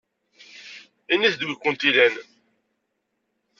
Inimt-d wi kent-ilan!